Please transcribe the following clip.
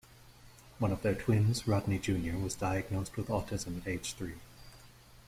One of their twins, Rodney Junior was diagnosed with autism at age three.